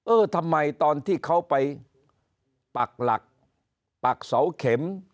เออทำไมตอนที่เขาไปปักหลักปักเสาเข็ม